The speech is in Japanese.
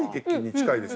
近いです。